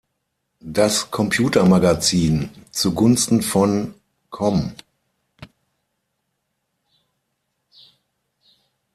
Das Computer-Magazin" zu Gunsten von "com!